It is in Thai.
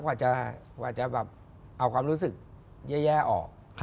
กว่าจะแบบเอาความรู้สึกแย่ออก